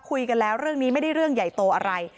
เรื่องนี้ก็แล้วเรื่องนี้ไม่ได้เรื่องใหญ่โตอะไร